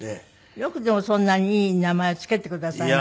よくでもそんなにいい名前をつけてくださいましたね。